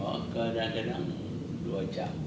baisikel pun kadang kadang delapan belas kilo